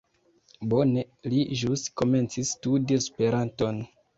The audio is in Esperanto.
Bone, li ĵus komencis studi Esperanton